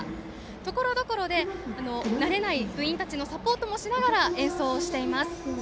ところどころで慣れない部員たちのサポートもしながら演奏しています。